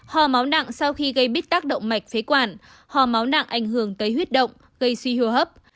hò máu nặng sau khi gây bít tác động mạch phế quản hò máu nặng ảnh hưởng tới huyết động gây suy hô hấp